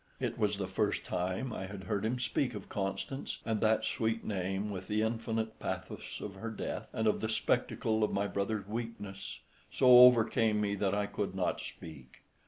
It was the first time I had heard him speak of Constance, and that sweet name, with the infinite pathos of her death, and of the spectacle of my brother's weakness, so overcame me that I could not speak.